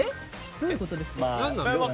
どういうことですか？